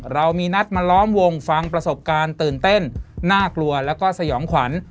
เรามีนัดมาล้อมวงฟังประสบการณ์ตื่นเต้นน่ากลัวแล้วก็สยองขวัญ